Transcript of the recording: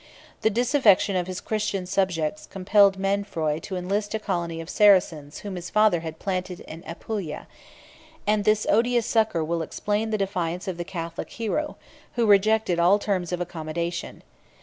37 The disaffection of his Christian subjects compelled Mainfroy to enlist a colony of Saracens whom his father had planted in Apulia; and this odious succor will explain the defiance of the Catholic hero, who rejected all terms of accommodation.